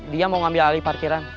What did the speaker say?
dia mau ngambil alih parkiran